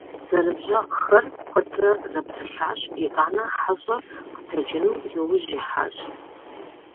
Зэныбжьэгъухэр куэдрэ зэпсэлъащ, итӀанэ хьэщӀэр къэтэджыну и ужь ихьащ.